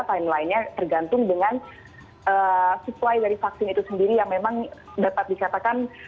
timeline nya tergantung dengan supply dari vaksin itu sendiri yang memang dapat dikatakan